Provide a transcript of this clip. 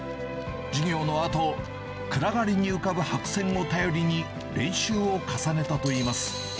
授業のあと、暗がりに浮かぶ白線を頼りに、練習を重ねたといいます。